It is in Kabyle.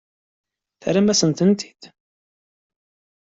Terram-asent-tent-id?